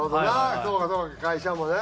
会社もね。